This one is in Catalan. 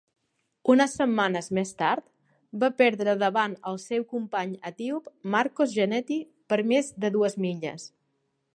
Unes setmanes més tard, va perdre davant el seu company etíop Markos Geneti per més de dues milles.